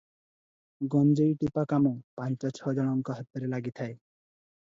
ଗଞ୍ଜେଇଟିପା କାମ ପାଞ୍ଚ ଛ ଜଣଙ୍କ ହାତରେ ଲାଗିଥାଏ ।